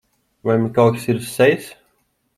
Vai man kaut kas ir uz sejas?